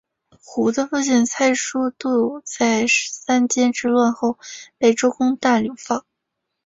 胡的父亲蔡叔度在三监之乱后被周公旦流放。